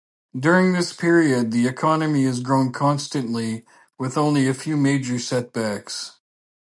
During this period, the economy has grown constantly with only a few major setbacks.